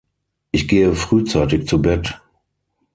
Ich gehe frühzeitig zu Bett.